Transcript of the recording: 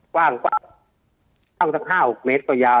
กว้าง๕๖เมตรกว่ายาว